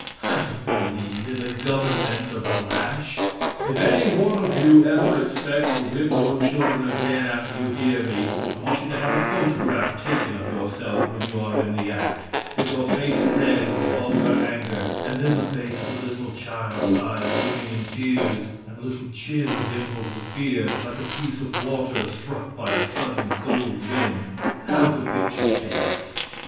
I don't believe in the government of the lash. If any one of you ever expect to whip your children again after you hear me, I want you to have a photograph taken of yourself when you are in the act, with your face red with vulgar anger; and then the face of the little child, with eyes swimming in tears, and the little chin dimpled with fear, like a piece of water struck by a sudden, cold wind. Have the picture taken.